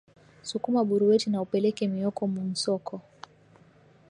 Sukuma buruweti na upeleke mioko mu nsoko